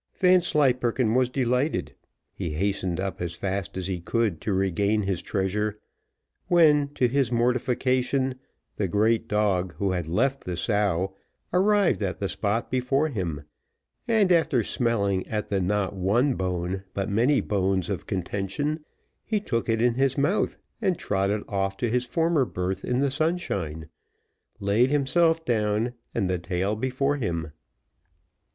Vanslyperken was delighted; he hastened up as fast as he could to regain his treasure, when, to his mortification, the great dog, who had left the sow, arrived at the spot before him, and after smelling at the not one bone, but many bones of contention, he took it in his mouth, and trotted off to his former berth in the sunshine, laid himself down, and the tail before him.